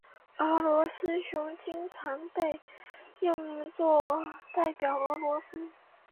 俄罗斯熊经常被用作代表俄罗斯。